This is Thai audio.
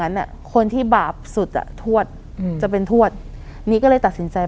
นั้นอ่ะคนที่บาปสุดอ่ะทวดอืมจะเป็นทวดนี้ก็เลยตัดสินใจ